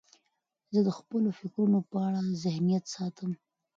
زه د خپلو فکرونو په اړه ذهنیت ساتم.